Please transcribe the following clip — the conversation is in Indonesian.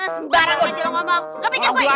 sembarangan jelang ngomong